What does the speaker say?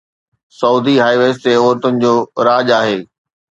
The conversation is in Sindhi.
سعودي هاءِ ويز تي عورتن جو راڄ آهي